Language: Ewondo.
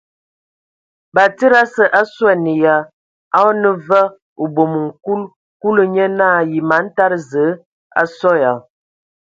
Batsidi ase a suan ya, a o nə vǝ o bomoŋ nkul. Kulu nye naa: Yǝ man tada Zǝə nyaa a sɔ ya ?.